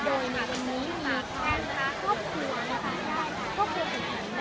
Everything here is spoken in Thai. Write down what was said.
โดยนี้ถ้าเกิดแคร์ชายนะคะครอบครัวทุกคนทุกคน